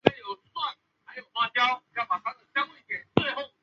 伊赫拉瓦是捷克历史最为古老的矿业城市。